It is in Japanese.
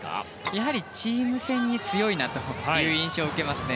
やはりチーム戦に強いなという印象を受けますね。